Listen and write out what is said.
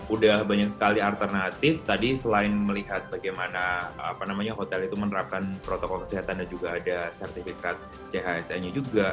udah banyak sekali alternatif tadi selain melihat bagaimana hotel itu menerapkan protokol kesehatan dan juga ada sertifikat chse nya juga